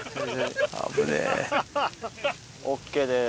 ＯＫです。